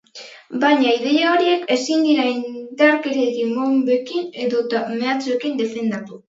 Baina ideia horiek ezin dira indarkeriarekin, bonbekin edota mehatxuekin defendatu.